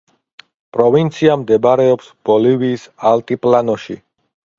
პროვინცია მდებარეობს ბოლივიის ალტიპლანოში.